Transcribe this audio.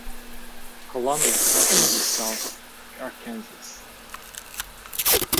Columbia County is in South Arkansas.